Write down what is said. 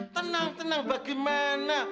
tenang tenang bagaimana